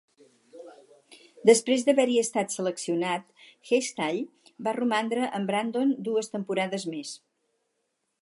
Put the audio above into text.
Després d'haver-hi estat seleccionat, Hextall va romandre amb Brandon dues temporades més.